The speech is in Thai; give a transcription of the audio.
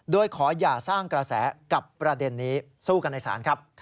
โดยขออย่าสร้างกระแสกับประเด็นนี้สู้กันในศาลครับ